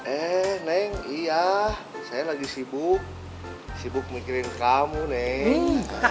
eh neng iya saya lagi sibuk sibuk mikirin kamu neng